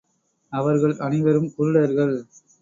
அவர்கள் அனைவரும் குருடர்கள்